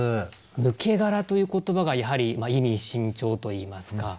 「抜け殻」という言葉がやはり意味深長といいますか。